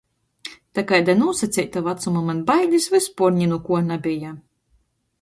Da kaida nūsaceita vacuma maņ bailis vyspuor ni nu kuo nabeja.